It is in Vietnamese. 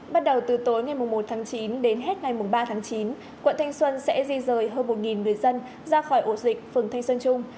bắt đầu từ tối ngày một tháng chín đến hết ngày ba tháng chín quận thanh xuân sẽ di rời hơn một người dân ra khỏi ổ dịch phường thanh sơn trung